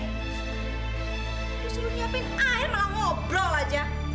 dulu suruh siapin air malah ngobrol aja